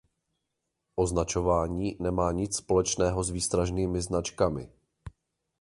Označování nemá nic společného s výstražnými značkami.